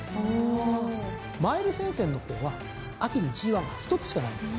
マイル戦線の方は秋にＧⅠが１つしかないんです。